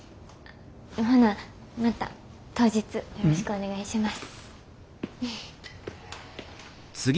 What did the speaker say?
ほなまた当日よろしくお願いします。